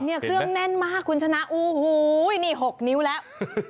เนี่ยเครื่องแน่นมากคุณชนะโอ้โหนี่๖นิ้วแล้ว